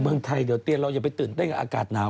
เมืองไทยเดี๋ยวเตียนเราอย่าไปตื่นเต้นกับอากาศหนาว